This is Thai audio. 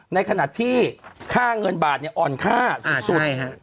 ในขณะที่ค่าเงินบาทอ่อนค่าสุด